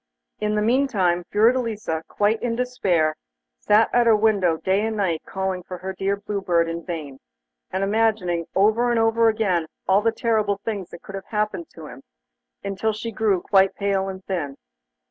In the meantime Fiordelisa, quite in despair, sat at her window day and night calling her dear Blue Bird in vain, and imagining over and over again all the terrible things that could have happened to him, until she grew quite pale and thin.